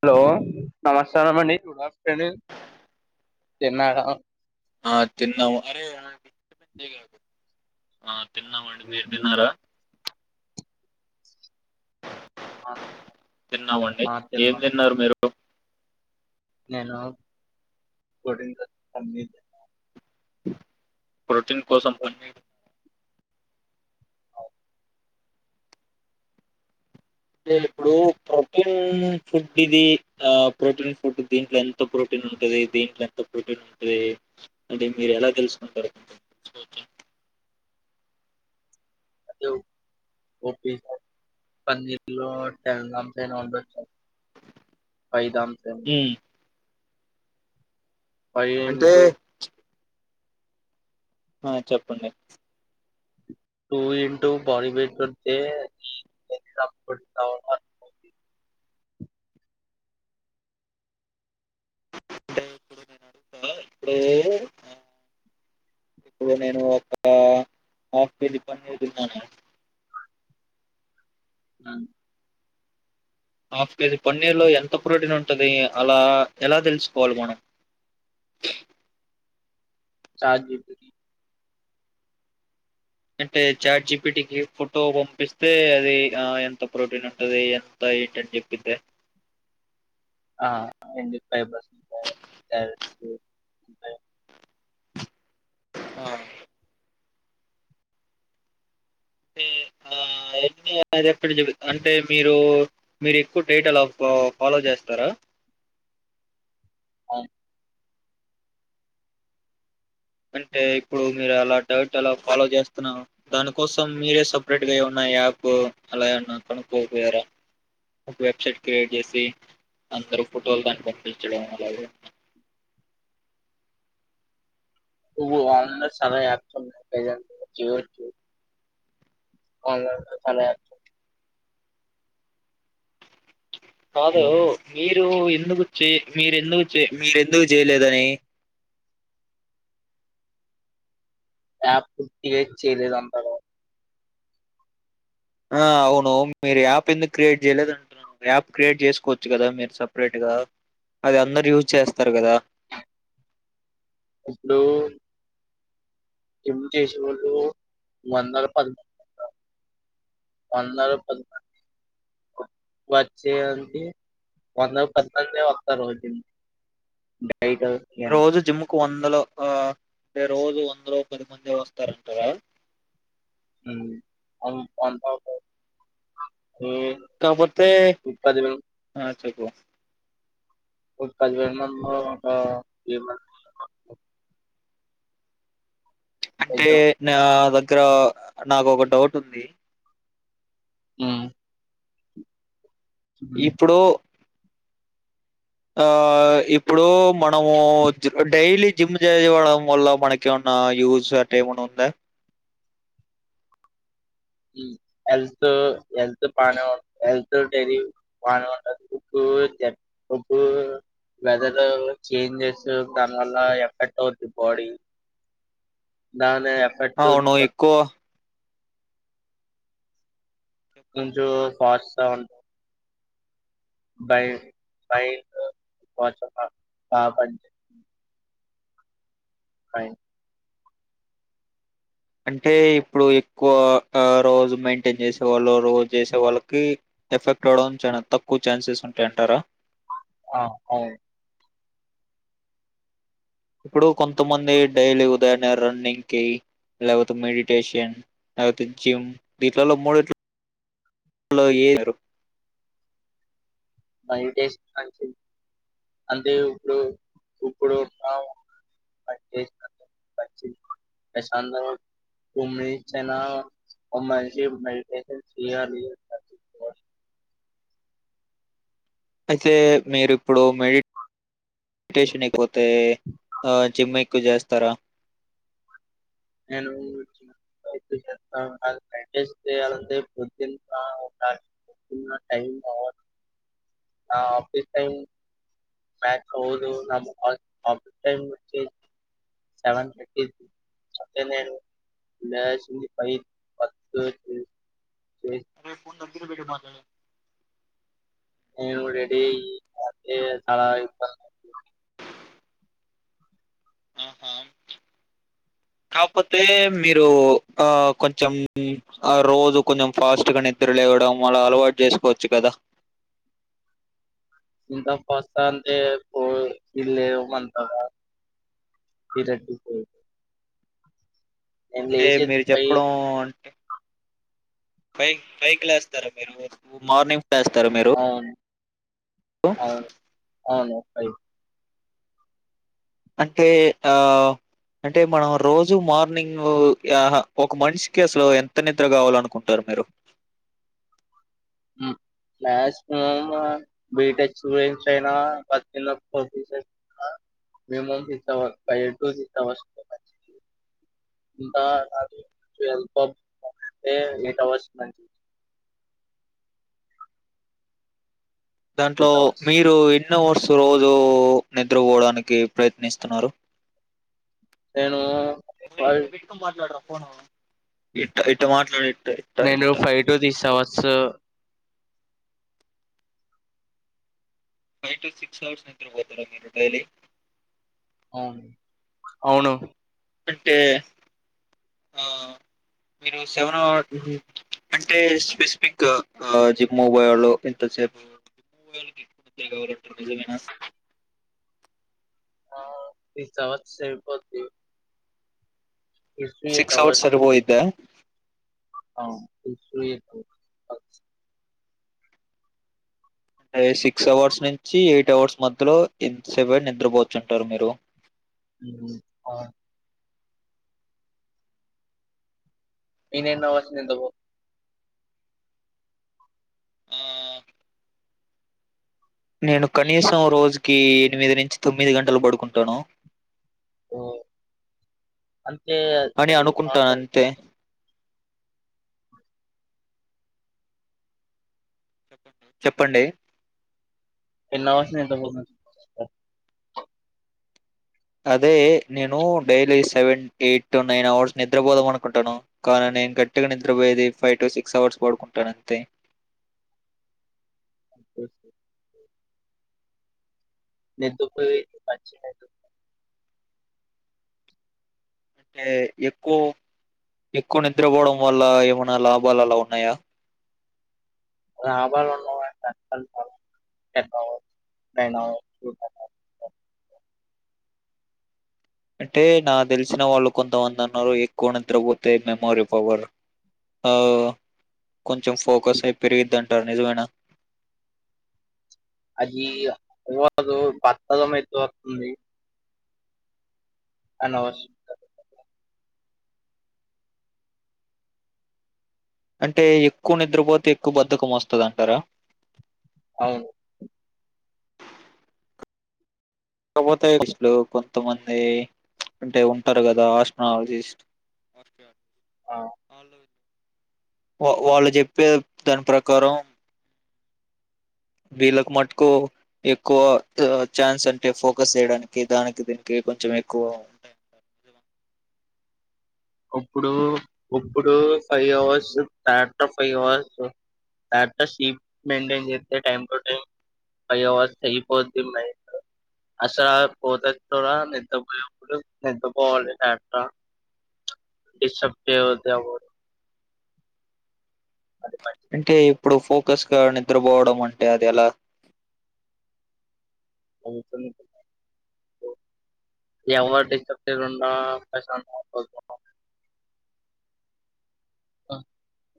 Hello నమస్కారం అండి good afternoon తిన్నాడా ఆ తిన్నాము అరే ఆ ఆ తిన్నామండ్ మీర్ తిన్నారా తిన్నామండి ఆ ఏం తిన్నాం తిన్నారు మీరు హ నేను గుడి న్ దా పన్నీర్ ప్రోటీన్ కోసం పన్నీర్ నేను ఇప్పుడు ప్రోటీన్ ఫుడ్ ఇది, ఆ ప్రోటీన్ ఫుడ్ దీంట్లో ఎంత ప్రోటీన్ ఉంటది, దీంట్లో ఎంత ప్రోటీన్ ఉంటది, అంటే మీరు ఎలా తెలుసుకుంటారు. అదే ఓ పన్నీళ్లో టలంగామ్స్ అయినా ఉండొచ్చు పైదామ్ తె ఉమ్ ఫైవ్ అంటే ఇంటు ఆ చెప్పండి టూ ఇంటు బాడీ వెయిట్ ఉంటే అంటే ఇప్పుడు నేను అడుగుతా, ఇప్పుడే ఇప్పుడు నేను ఒక అఫ్ కేజీ పన్నీర్ తిన్నానన్. అ హాఫ్ కేజీ పన్నీర్ లో ఎంత ప్రోటీన్ ఉంటుది, అలా ఎలా తెలుసుకోవాలి మనం. చాట్ జీ పిటి అంటే చాట్ జీపీటీ కి ఫుటో పంపిస్తే, అది ఆ ఎంత ప్రోటీన్ ఉంటది, ఎంత ఏంటని చెప్పిద్దా. ఆ [inaudible] ఆ తే ఆ ఎన్ని ఆర్ బ్ ఇప్పుడు చూడు అంటే మీరు మీరు ఎక్కువ డైటు అలా ఫాలో చేస్తారా. అ అంటే ఇప్పుడు మీరు అలా డట్ అలా ఫాలో చేస్తున్నావ్, దానికోసం మీరే సపరేట్ గా ఏమన్నా యాప్ అలా ఏమన్నా కనుక్కోపోయార, ఒక వెబ్సైట్ క్రియేట్ చేసి అందరు ఫోటోలు దాన్ని పంపించడం అలాగే. తుబు అలనే చాలా ఆప్స్ ఉన్నాయి ప్రెసెంట్ జు జూ ఆగాగు చాలా యాప్స్ ఉన్నా కాదు మీ మీరు ఎందుకు చే మీర్ ఎందుకు చే మీర్ ఎందుకు చేయలేదని. యాప్ క్రియేట్ చేయలేదంటారా ఆ అవును మీరు యాప్ ఎందుకు క్రియేట్ చేయలేదు అంటున్నారు, యాప్ క్రియేట్ చేసుకోవచ్చు కదా మీరు సపరేట్ గా, అది అందరు యూజ్ చేస్తారు కదా. ఇప్పుడూ జిమ్ చేసేవాళ్ళు వందల పది [unintelligible] వందల పది మం [unintelligible] వచ్చేయండి వందల్లో పది సర్లే వస్తారు రోజును రోజు జిమ్ కు వన్ లో ఆ రోజు వందలో పది మందే వస్తారంటారా ఊ అంత అంతా ఒకే కా పోతే ఆ చెప్పు ఓ పది ఉన్నో ఆ [unintelligible] అంటే ఎగ్జామ్ నా దగ్ క్రో నాకు ఒక్క డౌట్ ఉంది ఊ ఇప్పుడు ఆ ఇప్పుడు మనము డైలీ జిమ్ చేయడం వల్ల మనకి ఏమన్నా యూజ్ అట్ట ఏమన్నా ఉందా యూ హెల్త్ హెల్త్ బానే [unintelligible] హెల్త్ డైలీ బానే ఉంటంది ఉప్పు ఉప్పు వెదర్ చేంజెస్ దాని వల్ల ఎఫెక్ట్ అవుతది బాడీ దా అవును ఎక్కువ కొంచెం [unintelligible] బై బై [unintelligible] ఫైన్ అంటే ఇప్పుడు ఎక్కువ ఆ రోజు మెయింటైన్ చేసే వాళ్ళు రోజు చేసే వాళ్ళకి ఎఫెక్ట్ అవ్వడం చానా తక్కువ ఛాన్సెస్ ఉంటాయంటారా ఆ అవు ఇప్పుడు కొంతమంది డైలీ ఉదయాన్నే రన్నింగ్ కి లేకపోతే మెడిటేషన్ లేకపోతే జిమ్ దీట్లలో మూడుట లో లో ఏ పాడిటేషన్ మంచి ది అంటే ఇప్పుడు ఇప్పుడు [unintelligible] మంచిది ప్రశాంతం టూ మినిట్స్ అయినా ఓ మనిషి మెడిటేషన్ చేయాలి అయితే మీరు ఇప్పుడు మే టేషన్ అయిపో తే ఆ జిమ్ కు చేస్తారా నేను [unintelligible] పొద్దున్న ఆ ఒక్క టైమ్ ఆఫీస్ టైమ్ [unintelligible] రే ఫోన్ దగ్గర పెట్టి మాట్లాడు నేను రెడీ అయ్యి [unintelligible] ఆహా! కాపోతే మీరు ఆ కొంచెం ఆ రోజు కొంచెం ఫాస్ట్ గా నిద్ర లేవడం అలా అలవాటు చేసుకోవచ్చు కదా ఇంత ఫస్తా అంతే పో లేవు అంతగా ఈరట్టి పోయి నేను అంటే లేచేది మీరు ఫైవ్ చెప్పడం అంటే ఫైవ్ ఫై కి లేస్తారా మీరు మార్నింగ్ చేస్తారు మీరు అవును అవును అవును అయి అంటే ఆ అంటే మనం రోజు మార్నింగ్ ఒక మనిషికి అసలు ఎంత నిద్ర కావాల అనుకుంటారు మీరు మాక్సిమం బీటెక్ స్టూడెంట్స్ అయినా [unintelligible] minimum six hours five to six hours [unintelligible] eight hours దాంట్లో ఎయిట్ అవర్స్ మీరు రోజు నిద్రపోవడానికి ప్రయత్నిస్తున్నారు నేను వాల్ పోను నేను ఇట్ట ఫైవ్ టు తీసావచ్చ ఫైవ్ టు సిక్స్ అవర్స్ నిద్రపోతారా మీరు డైలీ అవును అవును అంటే ఆ మీరు సవ అంటే స్పెసిఫిక్ జిమ్బళు ఇంతసేపు ఎక్కువ కావాలంటారు నిజమనా సిక్స్ హరుస్ సరిపొద్ది సిక్స్ అవర్స్ అర పోయిద్ద ని అంటే సిక్స్ అవర్స్ నుంచి ఎయిట్ అవర్స్ మధ్యలో ఎంత సెపు నిద్రపోచ్చుంటారు మీరు ఆ ఇన నవాసనీ ఆహ్, నేను కనీసం రోజు కి ఎనిమిది నుంచి తొమ్మిది గంటలు పడుకుంటాను అ అని అనుకుంటాన అంతే ం చెప్పండి అవాస్ నిద్రపొ అదే నేను daily seven eight to nine hours నిద్రపోదాం అనుకుంటాను కానీ నేను గట్టిగా నిద్రపోయేది ఫైవ్ టు సిక్స్ అవర్స్ పడుకుంటాను అంతే నిద్రపోయి పచి అంటే ఎక్కువ ఎక్కువ నిద్రపోవడం వల్ల ఏమైనా లాభాలు అలా ఉన్నాయా రాబై [unintelligible] అంటే నా తెలిసిన వాళ్ళు కొంతమంది అన్నారు ఎక్కువ నిద్రపోతే మెమోరీ పవర్ ఆ కొంచెం ఫోకస్ అయి పెరిగిది అంటారు నిజమేైన అదిదు బత్తదమయితు వస్తుంది అనస్ అంటే ఎక్కువ నిద్రపోతే ఎక్కువ బధకం వస్తుంది అంటారా అవును పోతేస్లు కొంతమంది అంటే ఉంటారు కదా ఆస్ట్రాలజిస్ట్ ఆ! అలో వాళ్ళు చెప్పే దాని ప్రకారం వీళ్ళలకు మటుకు ఎక్కువ ఛాన్స్ అంటే ఫోకస్ చేయడానికి దానికి దీనికి కొంచెం ఎక్కువ ఉంటాయి ఇప్పుడు ఇప్పుడు five hours tractor five hours tractor seat maintain చేస్తే time to time five hours అయిపోతు మైట్ అసలు పోతే నిదపోయప్పుడు నిదపోవాలి టక్టర్ ఇ సబ్ పవద [unintelligible] అంటే ఇప్పుడు ఫోకస్ గా నిద్రపోవడం అంటే అది ఎలా ఎవరు ప్రు [inaudible] ఆ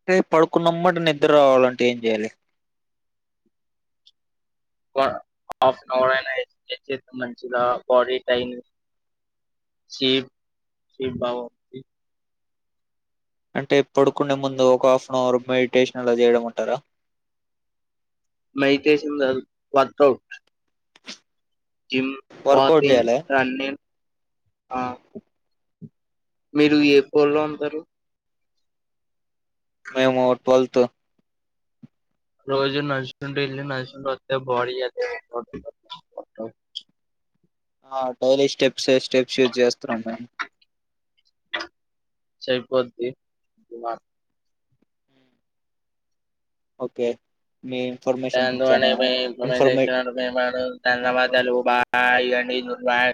అంటే పడుకున్నమాట నిద్ర రావాలంటే ఏం చేయాలి హాఫ్న్ అవర్ అయినా మంచిలా బాడీ టైనిప్ బాంది అంటే పడుకునే ముందు ఒక హాఫ్ అన్ అవర్ మెడిటేషన్ అలా చేయడం అంటారా మెడిట్షన్ కాదు వొర్క్ఉట్ జిమ్ వర్కౌట్ వాకింగ్ చేయాలి రనింగ్ ఆ మీరు ఏ పలో అంటారు మేము ట్వెల్త్ రోజు నడుస్తుంట ఇల్ నచ్చస్తు అ బాడీ అద ఆ డైలీ స్టెప్స్ స్టెప్స్ యూజ్ చేస్తున్నాం మేము సైపోద్తి బమ ఓకే మీ ఇన్ఫర్మేషన్ చాలా ఫర్మన్ ఇన్ఫర్మే [inaudible] ధన్వాదాలు బాయ్ డి నిర్ణయ